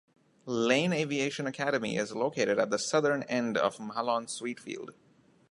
Lane Aviation Academy is located at the southern end of Mahlon Sweet Field.